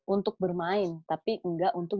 untuk bermain tapi enggak untuk